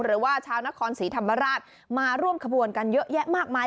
หรือว่าชาวนครศรีธรรมราชมาร่วมขบวนกันเยอะแยะมากมาย